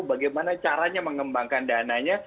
bagaimana caranya mengembangkan dananya